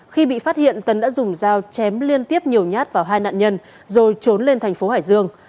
khi bị phát hiện tấn đã dùng dao chém liên tiếp nhiều nhát vào hai nạn nhân rồi trốn lên thành phố hải dương